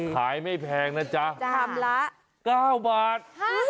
ไม่แพงนะจ๊ะจามละ๙บาท